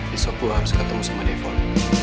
besok gue harus ketemu sama devon